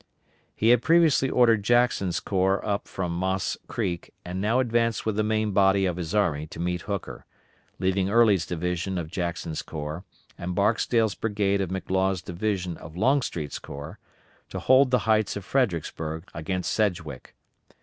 He had previously ordered Jackson's corps up from Moss Creek and now advanced with the main body of his army to meet Hooker, leaving Early's division of Jackson's corps and Barksdale's brigade of McLaws' division of Longstreet's corps to hold the heights of Fredericksburg against Sedgwick.